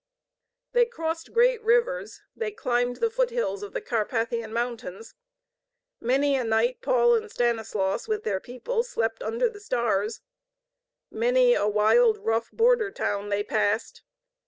They crossed great rivers, they climbed the foothills of the Carpathian mountains. Many a night Paul and Stanislaus, with their people, slept under the stars. Many a wild, rough border town they passed.